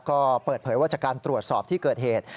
ก็เปิดเผยว่าจากการตรวจสอบที่เกิดเหตุ